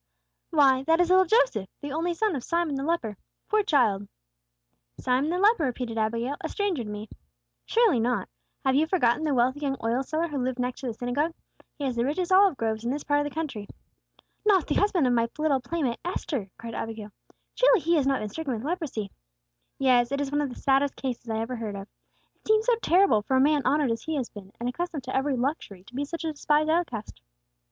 "Why, that is little Joseph, the only son of Simon the leper. Poor child!" "Simon the leper," repeated Abigail. "A stranger to me." "Surely not. Have you forgotten the wealthy young oil seller who lived next the synagogue? He has the richest olive groves in this part of the country." "Not the husband of my little playmate Esther!" cried Abigail. "Surely he has not been stricken with leprosy!" "Yes; it is one of the saddest cases I ever heard of. It seems so terrible for a man honored as he has been, and accustomed to every luxury, to be such a despised outcast."